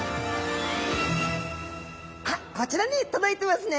あっこちらに届いてますね。